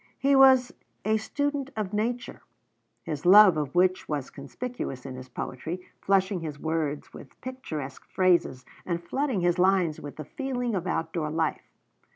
He was a student of nature, his love of which was conspicuous in his poetry, flushing his words with picturesque phrases and flooding his lines with the feeling of outdoor life.